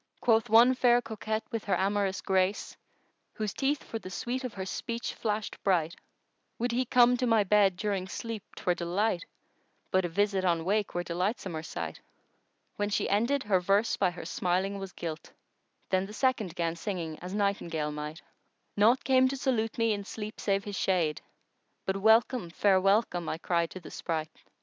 Quoth one fair coquette with her amorous grace * Whose teeth for the sweet of her speech flashèd bright:— Would he come to my bed during sleep 'twere delight * But a visit on wake were delightsomer sight! When she ended, her verse by her smiling was gilt: * Then the second 'gan singing as nightingale might:— Naught came to salute me in sleep save his shade * But 'welcome, fair welcome,' I cried to the spright!